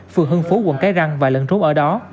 phường hương phú quận cái răng và lận rốt ở đó